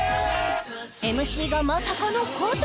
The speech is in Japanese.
ＭＣがまさかの交代？